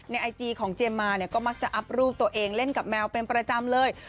ไอจีของเจมส์มาเนี่ยก็มักจะอัพรูปตัวเองเล่นกับแมวเป็นประจำเลย